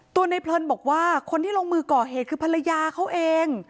ตัวในเพลินบอกว่าคนที่ลงมือก่อเหตุคือภรรยาเขาเอง